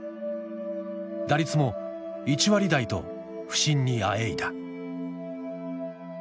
打率も１割台と不振にあえいだ。